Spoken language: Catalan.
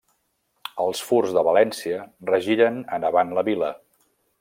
Els Furs de València, regiren en avant la Vila.